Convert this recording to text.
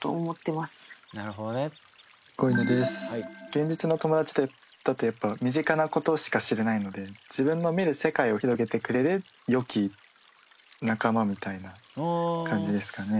現実の友だちってたとえば身近なことしか知れないので自分の見る世界を広げてくれる良き仲間みたいな感じですかね。